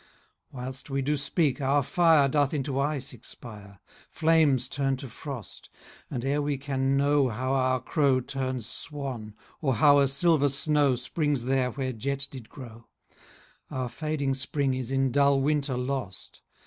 Whilst we do speak, our fire Doth into ice expire, Flames turn to frost; 15 And ere we can Know how our crow turns swan, Or how a silver snow Springs there where jet did grow, Our fading spring is in dull winter lost.